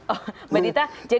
oh mbak dita